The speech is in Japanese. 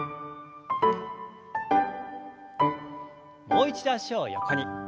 もう一度脚を横に。